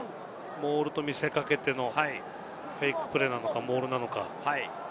モールと見せ掛けてのフェイクプレーなのか、モールなのか。